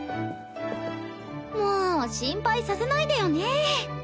もう心配させないでよね。